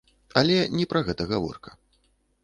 Але не пра гэта гаворка.